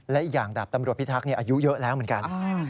และอีกอย่างดาบตำรวจพิทักษ์อายุเยอะแล้วเหมือนกัน